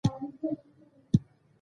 غوږونه باید پاک وساتل شي